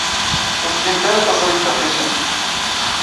Ur tlimt ara taẓrigt rxisen?